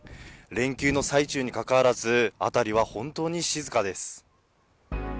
連休の最中にかかわらず、辺りは本当に静かです。